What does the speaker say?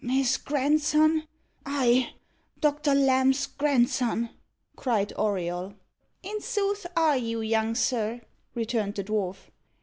"His grandson! I Doctor Lamb's grandson!" cried Auriol. "In sooth are you, young sir," returned the dwarf.